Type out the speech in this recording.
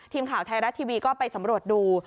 ทีมข่าวไทยรัฐทีวีก็ไปสำรวจดู